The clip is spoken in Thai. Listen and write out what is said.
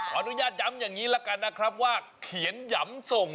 ขออนุญาตย้ำอย่างนี้ละกันนะครับว่าเขียนหยำส่ง